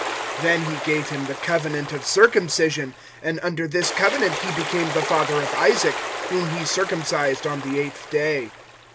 007:008 "Then He gave him the Covenant of circumcision, and under this Covenant he became the father of Isaac whom he circumcised on the eighth day.